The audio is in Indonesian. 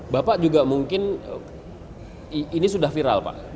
bapak juga mungkin ini sudah viral pak